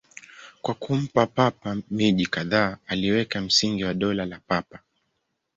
Kwa kumpa Papa miji kadhaa, aliweka msingi wa Dola la Papa.